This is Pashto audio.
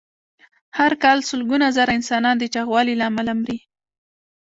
هر کال سلګونه زره انسانان د چاغوالي له امله مري.